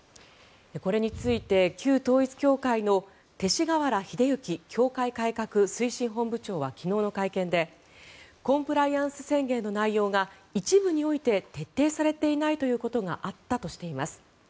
これについて旧統一教会の勅使河原秀行教会改革推進本部長は昨日の会見でコンプライアンス宣言の内容が一部において徹底されていないということがあったとしています。